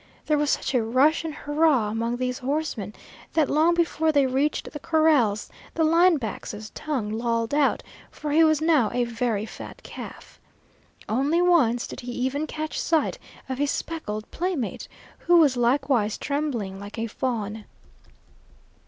There was such a rush and hurrah among these horsemen that long before they reached the corrals the line back's tongue lolled out, for he was now a very fat calf. Only once did he even catch sight of his speckled playmate, who was likewise trembling like a fawn.